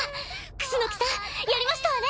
楠さんやりましたわね。